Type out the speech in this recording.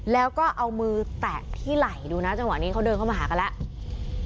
แล้วก็เอามือแตะที่ไหล่ดูนะจังหวะนี้เขาเดินเข้ามาหากันแล้ว